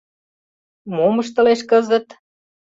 «Мом ыштылеш кызыт?